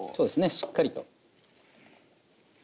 しっかりと。